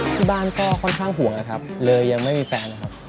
ที่บ้านก็ค่อนข้างห่วงนะครับเลยยังไม่มีแฟนนะครับ